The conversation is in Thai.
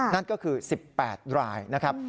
นั่นก็คือ๑๘รายนะครับ